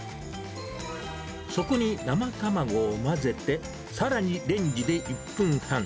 そこに生卵を混ぜて、さらにレンジで１分半。